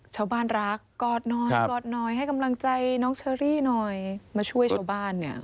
ชาวบ้านรักกอดน้อยกอดหน่อยให้กำลังใจน้องเชอรี่หน่อยมาช่วยชาวบ้านเนี่ย